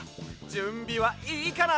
じゅんびはいいかな？